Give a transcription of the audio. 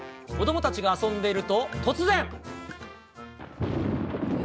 子どもたちが遊んでいると、突然。